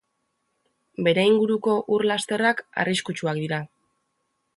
Bere inguruko ur-lasterrak arriskutsuak dira.